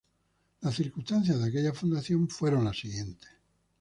Las circunstancias de aquella fundación fueron las siguientes.